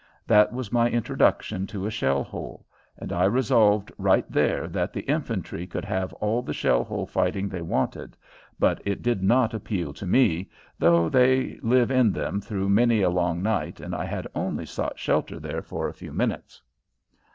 That was my introduction to a shell hole, and I resolved right there that the infantry could have all the shell hole fighting they wanted, but it did not appeal to me, though they live in them through many a long night and I had only sought shelter there for a few minutes.